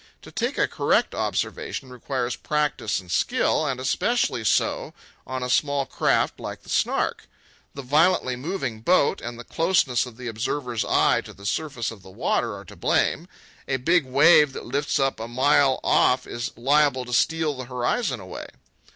To take a correct observation requires practice and skill, and especially so on a small craft like the Snark. The violently moving boat and the closeness of the observer's eye to the surface of the water are to blame. A big wave that lifts up a mile off is liable to steal the horizon away.